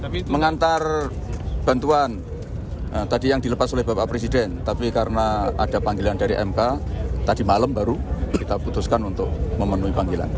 kami mengantar bantuan tadi yang dilepas oleh bapak presiden tapi karena ada panggilan dari mk tadi malam baru kita putuskan untuk memenuhi panggilan